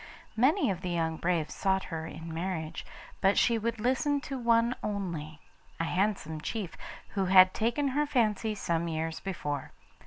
Many of the young braves sought her in marriage, but she would listen to one only a handsome chief, who had taken her fancy some years before.